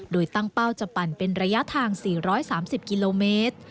โดยตั้งเป้าจะปั่นเป็นระยะทาง๔๓๐กิโลเมตร